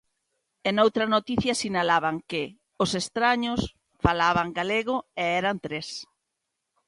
E noutra noticia sinalaban que "os estraños falaban galego e eran tres".